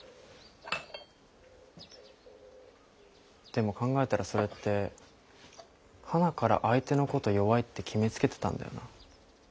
でも考えたらそれってはなから相手のこと弱いって決めつけてたんだよな。